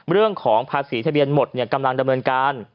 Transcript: เรื่องของภาษีทะเบียนหมดกำลังดำเนินการ